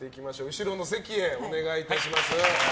後ろの席にお願いいたします。